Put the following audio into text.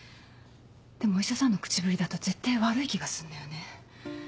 でもお医者さんの口ぶりだと絶対悪い気がするのよね。